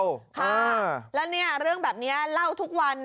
ค่ะแล้วเนี่ยเรื่องแบบนี้เล่าทุกวัน